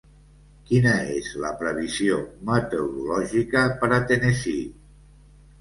quina és la previsió meteorològica per a Tennessee